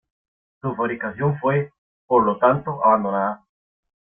Su fabricación fue, por lo tanto, abandonada.